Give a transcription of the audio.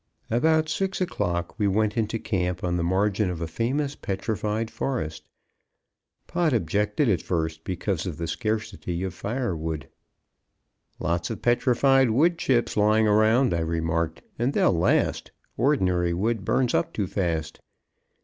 About six o'clock we went into camp on the margin of a famous petrified forest. Pod objected at first, because of the scarcity of fire wood. "Lots of petrified wood chips lying around," I remarked; "and they'll last. Ordinary wood burns up too fast."